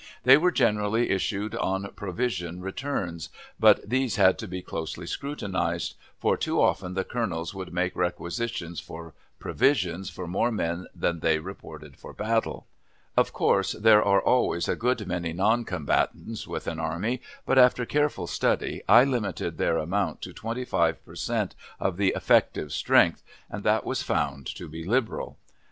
They were generally issued on provision returns, but these had to be closely scrutinized, for too often the colonels would make requisitions for provisions for more men than they reported for battle. Of course, there are always a good many non combatants with an army, but, after careful study, I limited their amount to twenty five per cent. of the "effective strength," and that was found to be liberal.